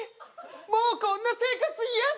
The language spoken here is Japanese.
もうこんな生活嫌だ！